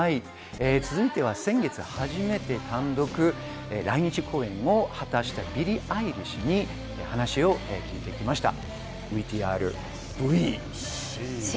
続いては、先月初めて単独来日公演を果たしたビリー・アイリッシュに話を聞いてきました。